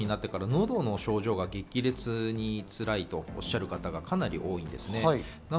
オミクロンになってから喉の症状が激烈につらいとおっしゃる方がかなり多いんですね。